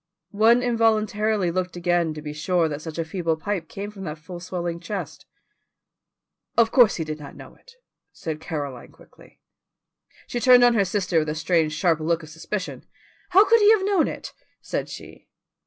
One involuntarily looked again to be sure that such a feeble pipe came from that full swelling chest. "Of course he did not know it," said Caroline quickly. She turned on her sister with a strange sharp look of suspicion. "How could he have known it?" said she.